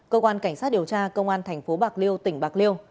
cơ quan cảnh sát điều tra công an tp bạc liêu tỉnh bạc liêu